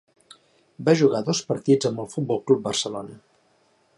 Va jugar dos partits amb el Futbol Club Barcelona.